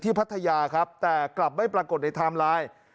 พัทยาครับแต่กลับไม่ปรากฏในไทม์ไลน์